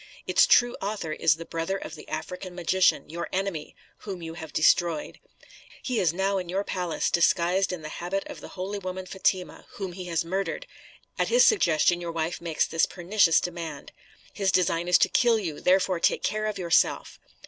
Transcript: Its true author is the brother of the African magician, your enemy, whom you have destroyed. He is now in your palace, disguised in the habit of the holy woman Fatima, whom he has murdered; at his suggestion your wife makes this pernicious demand. His design is to kill you, therefore take care of yourself."